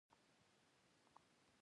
د توپ ګولۍ ولګېده.